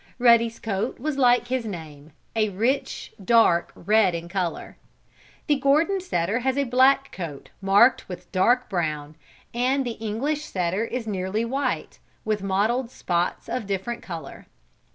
Ruddy's coat was like his name, a rich dark red in color. The Gordon setter has a black coat, marked with dark brown, and the English setter is nearly white, with mottled spots of different color.